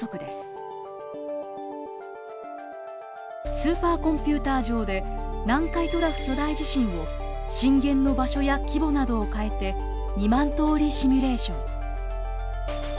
スーパーコンピューター上で南海トラフ巨大地震を震源の場所や規模などを変えて２万通りシミュレーション。